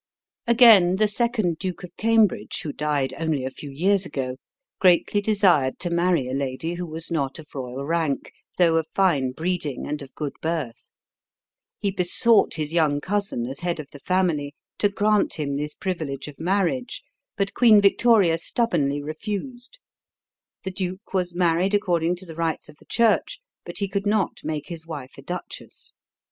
Again, the second Duke of Cambridge, who died only a few years ago, greatly desired to marry a lady who was not of royal rank, though of fine breeding and of good birth. He besought his young cousin, as head of the family, to grant him this privilege of marriage; but Queen Victoria stubbornly refused. The duke was married according to the rites of the church, but he could not make his wife a duchess.